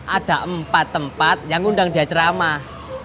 ada empat tempat yang ngundang dia ceramah